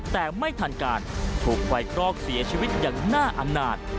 แต่ไม่ทันการถูกไฟคลอกเสียชีวิตอย่างน่าอาณาจ